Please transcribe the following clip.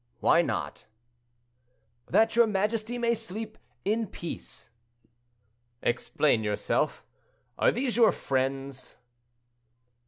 "Why not?" "That your majesty may sleep in peace." "Explain yourself. Are these your friends?"